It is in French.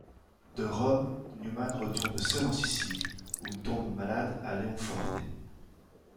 De Rome, Newman retourne seul en Sicile, où il tombe malade à Leonforte.